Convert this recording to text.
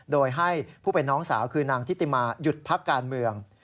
โดยให้ผู้เป็นน้องสาวคือนางทิติมาหยุดพักการเมือง